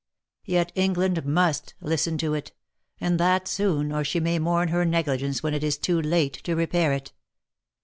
Yet, England must listen to it, and that soon, or she may mourn her negligence when it is too late to repair it.